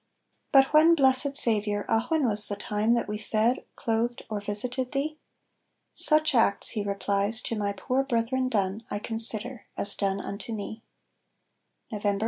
But when, blessed Saviour, ah when was the time, That we fed, clothed, or visited thee? "Such acts," He replies, "to my poor brethren done, I consider as done unto me." Nov. 1862.